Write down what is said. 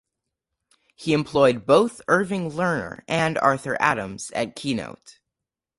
He employed both Irving Lerner and Arthur Adams at Keynote.